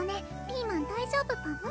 ピーマン大丈夫パム？